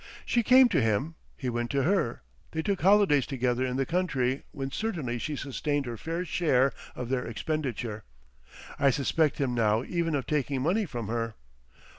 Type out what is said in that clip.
She came to him, he went to her, they took holidays together in the country when certainly she sustained her fair share of their expenditure. I suspect him now even of taking money from her.